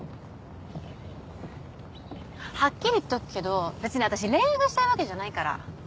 はっきり言っとくけどべつに私恋愛がしたいわけじゃないから。